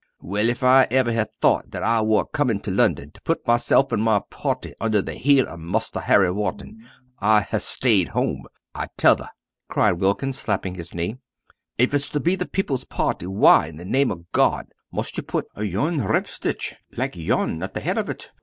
"Well, if I'd ever ha' thowt that I war coomin' to Lunnon to put myself and my party oonder the heel o' Muster Harry Wharton, I'd ha' stayed at home, I tell tha," cried Wilkins, slapping his knee. "If it's to be the People's party, why, in the name o' God, must yo put a yoong ripstitch like yon at the head of it?